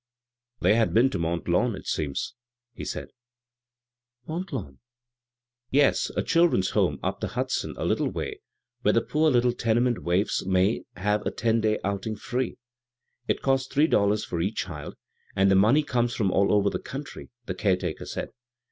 " They had been to Mont Lawn, it seems," he said. " Mont Lawn ?"" Yes ; a children's home up the Hudson a little way, where the poor litde tenement waifs may have a ten days outing free. It costs three dollars for each child, and the money comes from all over the country, the caretaker said.